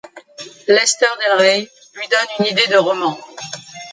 Lester del Rey lui donne une idée de roman.